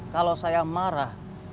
kalau saya marah